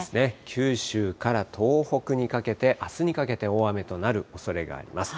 九州から東北にかけて、あすにかけて大雨となるおそれがあります。